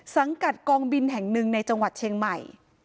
สังกัดกองบินแห่งหนึ่งในจังหวัดเชียงใหม่